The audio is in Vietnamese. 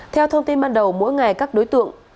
theo thông tin ban đầu mỗi ngày các đối tượng